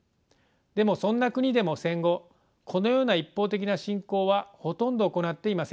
でもそんな国でも戦後このような一方的な侵攻はほとんど行っていません。